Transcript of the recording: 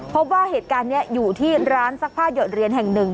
พบว่าเหตุการณ์นี้อยู่ที่ร้านซักผ้าหยดเรียนแห่งหนึ่ง